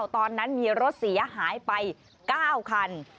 ตอนนั้นมีรถเสียหายไป๙คัน